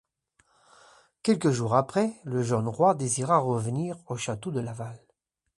Quelques jours après, le jeune roi désira revenir au château de Laval.